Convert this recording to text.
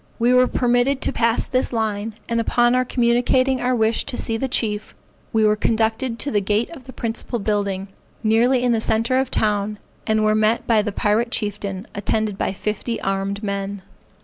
We were permitted to pass this line, and upon our communicating our wish to see the chief, we were conducted to the gate of the principal building, nearly in the centre of the town, and were met by the Pirate Chieftain attended by fifty armed men.